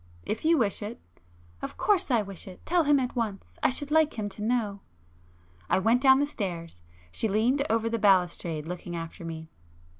"If you wish it." "Of course I wish it. Tell him at once. I should like him to know." I went down the stairs,—she leaned over the balustrade looking after me.